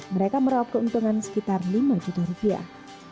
mereka merawap keuntungan sekitar lima juta rupiah